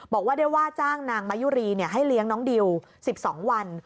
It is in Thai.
บอกว่าได้ว่าจ้างนางมายุรีให้เลี้ยงน้องดิว๑๒วัน